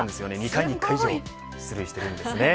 ２回に１回以上出塁しています。